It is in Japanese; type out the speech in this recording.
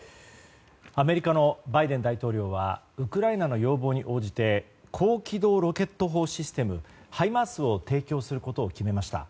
アメリカのバイデン大統領はウクライナの要望に応じて高機動ロケット砲システムハイマースを提供することを決めました。